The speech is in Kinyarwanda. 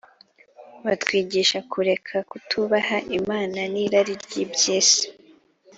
butwigisha kureka kutubaha Imana n’irari ry’iby’isi